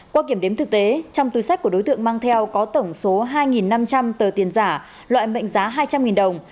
qua kiểm đếm thực tế trong túi sách của đối tượng mang theo có tổng số hai năm trăm linh tờ tiền giả loại mệnh giá hai trăm linh đồng